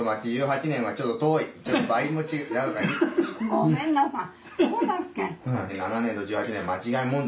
ごめんなさい。